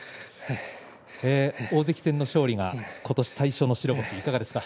大関戦の勝利が今年最初の白星いかがですか。